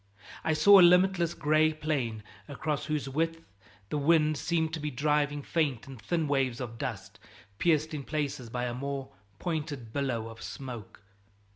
I saw a limitless gray plain, across whose width the wind seemed to be driving faint and thin waves of dust, pierced in places by a more pointed billow of smoke.